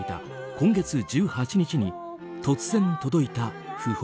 今月１８日に突然、届いた訃報。